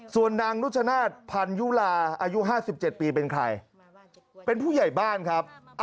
ส่วนนางนุชนาธิพันยุลาอายุ๕๗ปีเป็นใครเป็นผู้ใหญ่บ้านครับ